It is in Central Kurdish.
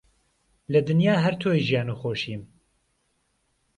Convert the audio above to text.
لە دنیا هەر تۆی ژیان و خۆشیم